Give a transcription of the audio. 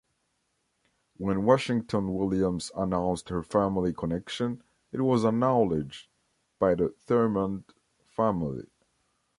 When Washington-Williams announced her family connection, it was acknowledged by the Thurmond family.